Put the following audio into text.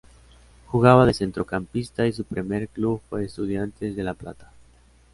Jugaba de centrocampista y su primer club fue Estudiantes de La Plata.